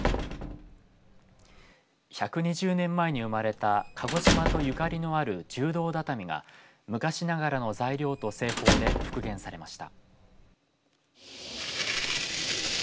１２０年前に生まれた鹿児島とゆかりのある柔道畳が昔ながらの材料と製法で復元されました。